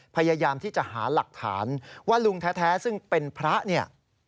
พยายามที่จะหาหลักฐานว่าลุงแท้ซึ่งเป็นพระเนี่ย